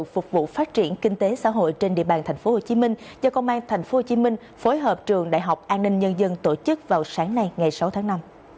phục vụ phát triển kinh tế xã hội trên địa bàn tp hcm do công an tp hcm phối hợp trường đại học an ninh nhân dân tổ chức vào sáng nay ngày sáu tháng năm